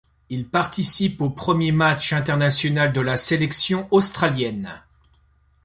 Il participe au premier match international de la sélection australienne.